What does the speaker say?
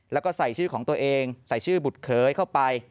แล้วก็ใส่ชื่อของตัวเองใส่ชื่อบุตรเคยเข้าไป